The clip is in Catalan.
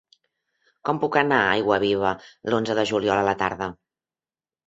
Com puc anar a Aiguaviva l'onze de juliol a la tarda?